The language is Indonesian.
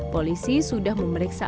polisi sudah memeriksa empat saksi